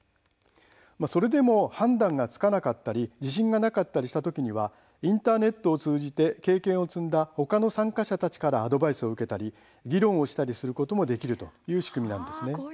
それでも判断がつかなかったり自信がなかったりした時にはインターネットを通じて経験を積んだ他の参加者たちからアドバイスを受けたり議論をしたりすることもできる仕組みなんです。